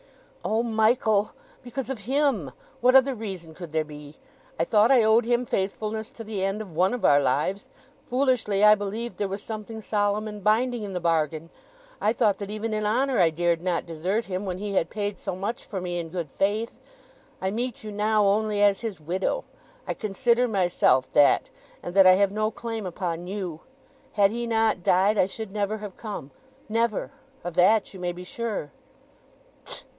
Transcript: "O Michael! because of him—what other reason could there be? I thought I owed him faithfulness to the end of one of our lives—foolishly I believed there was something solemn and binding in the bargain; I thought that even in honour I dared not desert him when he had paid so much for me in good faith. I meet you now only as his widow—I consider myself that, and that I have no claim upon you. Had he not died I should never have come—never! Of that you may be sure."